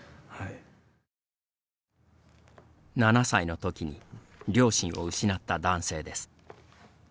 ７歳のときに両親を失った男性です。